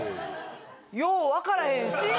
よわからへんし。